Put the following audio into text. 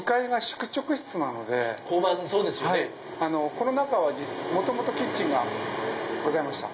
この中は元々キッチンがございました。